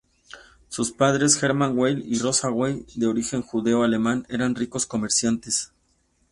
Sus padres, Hermann Weil y Rosa Weil, de origen judeo-alemán, eran ricos comerciantes.